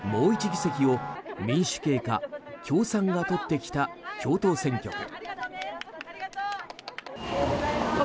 １議席を民主系か共産が取ってきた京都選挙区。